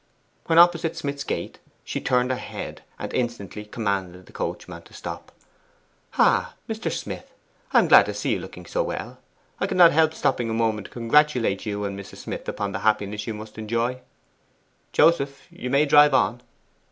When opposite Smith's gate she turned her head, and instantly commanded the coachman to stop. 'Ah, Mr. Smith, I am glad to see you looking so well. I could not help stopping a moment to congratulate you and Mrs. Smith upon the happiness you must enjoy. Joseph, you may drive on.